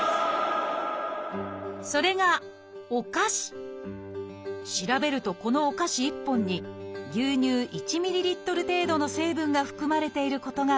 それが調べるとこのお菓子１本に牛乳１ｍＬ程度の成分が含まれていることが分かったのです。